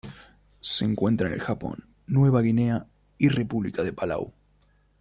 Se encuentra en el Japón, Nueva Guinea y República de Palau.